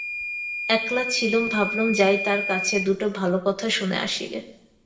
একলা ছিলুম, ভাবলুম যাই তাঁর কাছে, দুটো ভালো কথা শুনে আসিগে।